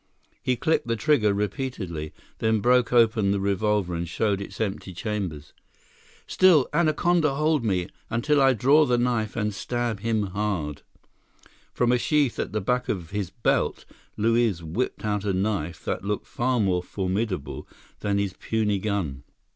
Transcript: He clicked the trigger repeatedly; then broke open the revolver and showed its empty chambers. "Still, anaconda hold me, until I draw knife and stab him hard!" From a sheath at the back of his belt, Luiz whipped out a knife that looked far more formidable than his puny gun.